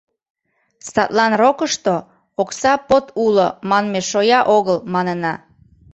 Садлан рокышто «окса под уло» манме шоя огыл, манына.